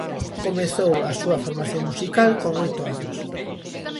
Comezou a súa formación musical con oito anos.